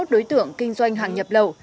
bốn mươi một đối tượng kinh doanh hàng nhập lầu